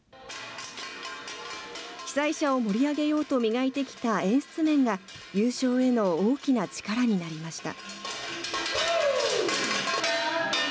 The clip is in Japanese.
被災者を盛り上げようと磨いてきた演出面が、優勝への大きな力になりました。